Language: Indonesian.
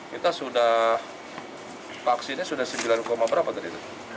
kita sudah vaksinnya sudah sembilan berapa tadi